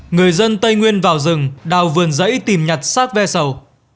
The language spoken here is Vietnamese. người dân tây nguyên vào rừng đào vườn dẫy tìm nhặt sát ve sầu